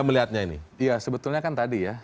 melihatnya ini ya sebetulnya kan tadi ya